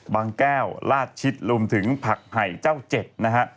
แก้วราชชิดรวมถึงผักไห่เจ้าเจ็ดนะฮะ